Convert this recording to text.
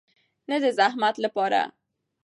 نه د زحمت لپاره.